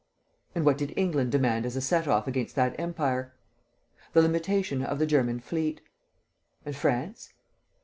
"And what did England demand as a set off against that empire?" "The limitation of the German fleet." "And France?"